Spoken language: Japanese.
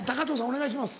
お願いします。